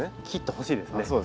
切ってほしいですね。